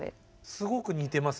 すごく似てます